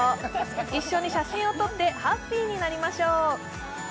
一緒に写真を撮ってハッピーになりましょう。